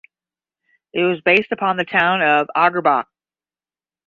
It was based upon the town of Auerbach.